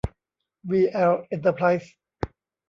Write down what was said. วี แอล เอ็นเตอร์ไพรส์